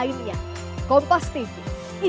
mungkin yang ingin masuk ke psi